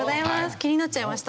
気になっちゃいました。